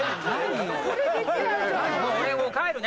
俺もう帰るね。